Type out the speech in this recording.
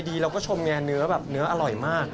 ไอดีเราก็ชมเนื้อเนื้ออร่อยมาก